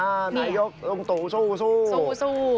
นายกลุงตูสู้